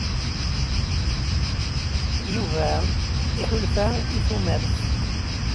Yuba iḥulfa i tumert.